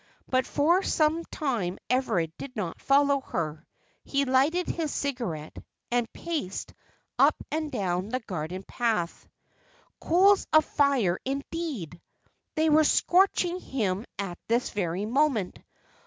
But for some time Everard did not follow her. He lighted his cigarette, and paced up and down the garden path. Coals of fire, indeed! They were scorching him at this very moment.